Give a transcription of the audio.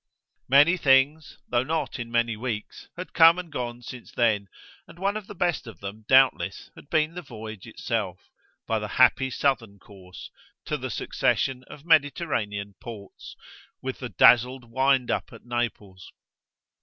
Many things, though not in many weeks, had come and gone since then, and one of the best of them doubtless had been the voyage itself, by the happy southern course, to the succession of Mediterranean ports, with the dazzled wind up at Naples.